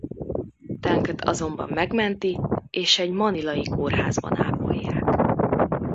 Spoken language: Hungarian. Tanket azonban megmentik és egy manilai kórházban ápolják.